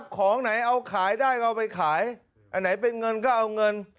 ของไหนเอาขายได้ก็เอาไปขายอันไหนเป็นเงินก็เอาเงิน